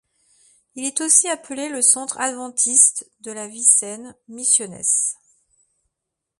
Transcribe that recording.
Il est aussi appelé le Centre adventiste de la vie saine - Misiones.